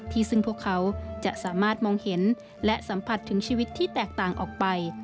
ซึ่งพวกเขาจะสามารถมองเห็นและสัมผัสถึงชีวิตที่แตกต่างออกไป